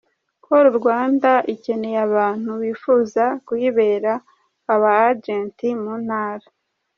Call Rwanda ikeneye abantu bifuza kuyibera aba Agents mu ntara.